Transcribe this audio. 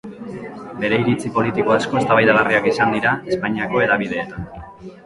Bere iritzi politiko asko eztabaidagarriak izan dira Espainiako hedabideetan.